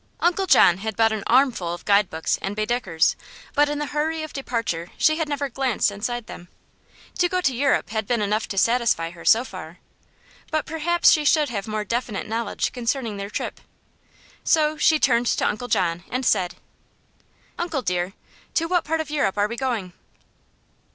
Uncle John had bought an armful of guide books and Baedeckers, but in the hurry of departure she had never glanced inside them. To go to Europe had been enough to satisfy her so far, but perhaps she should have more definite knowledge concerning their trip. So she turned to Uncle John and said: "Uncle, dear, to what part of Europe are we going?"